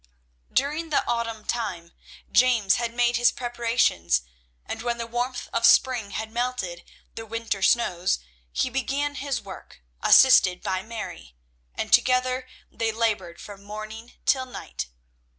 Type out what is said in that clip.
During the autumn time, James had made his preparations, and when the warmth of spring had melted the winter snows, he began his work, assisted by Mary; and together they laboured from morning to night.